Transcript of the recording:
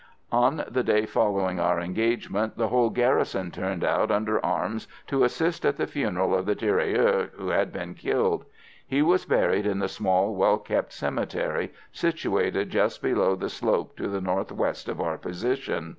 On the day following our engagement the whole garrison turned out under arms to assist at the funeral of the tirailleur who had been killed. He was buried in the small, well kept cemetery, situated just below the slope to the north west of our position.